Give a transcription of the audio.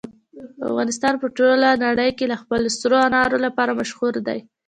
افغانستان په ټوله نړۍ کې د خپلو سرو انارو لپاره مشهور دی.